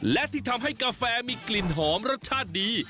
และที่ทำให้กาแฟมีกลิ่นหอมรสชาติดี